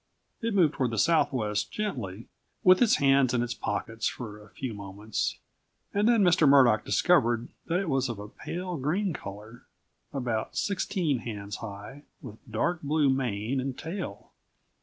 It moved toward the southwest gently, with its hands in its pockets for a few moments, and then Mr. Murdock discovered that it was of a pale green color, about sixteen hands high, with dark blue mane and tail.